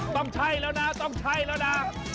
ต้องใช่แล้วนะต้องใช่แล้วนะ